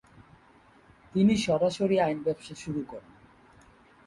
তিনি সরাসরি আইন ব্যবসা শুরু করেন।